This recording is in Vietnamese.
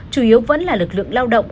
chủ yếu vẫn là lực lượng lao động